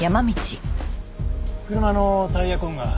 車のタイヤ痕が。